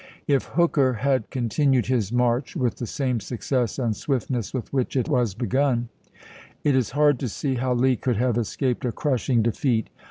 If Hooker had continued his march with the same success and swiftness with which it was begun, it is hard to see how Lee could have escaped a crushing defeat.